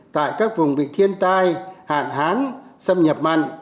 tại các vùng bị thiên tai hạn hán xâm nhập mặn